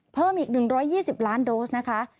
เพิ่มอีก๑๒๐ล้านโดสนะคะ